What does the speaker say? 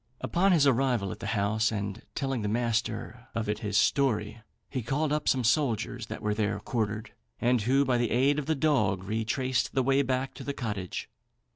Upon his arrival at the house, and telling the master of it his story, he called up some soldiers that were there quartered, and who, by the aid of the dog, retraced the way back to the cottage.